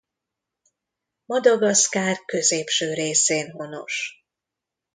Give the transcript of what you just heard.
Madagaszkár középső részén honos.